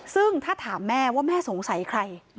ซึ่งถ้าถามแม่ว่าแม่สงสัยใคร